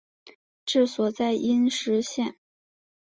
治所在阴石县。